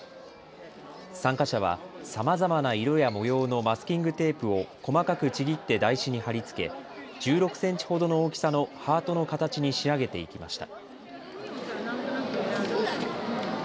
参加者はさまざまな色や模様のマスキングテープを細かくちぎって台紙に貼り付け１６センチほどの大きさのハートの形に仕上げていきました。